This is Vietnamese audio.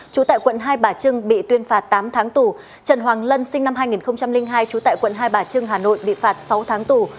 trú tại quận hai bà trưng bị tuyên phạt tám tháng tù trần hoàng lân sinh năm hai nghìn hai trú tại quận hai bà trưng hà nội bị phạt sáu tháng tù